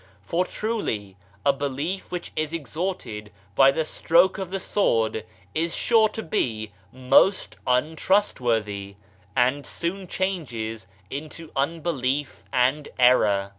For truly a belief which is extorted by the stroke of the sword is sure to be most untrustworthy, and soon changes into unbelief and error.